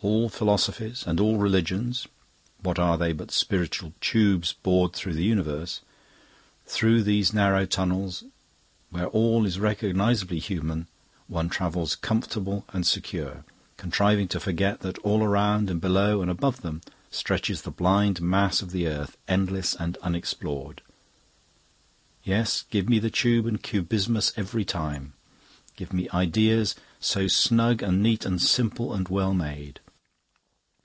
All philosophies and all religions what are they but spiritual Tubes bored through the universe! Through these narrow tunnels, where all is recognisably human, one travels comfortable and secure, contriving to forget that all round and below and above them stretches the blind mass of earth, endless and unexplored. Yes, give me the Tube and Cubismus every time; give me ideas, so snug and neat and simple and well made.